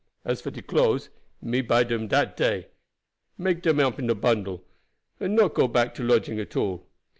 As for de clothes, me buy dem dat day, make dem up in bundle, and not go back to lodging at all.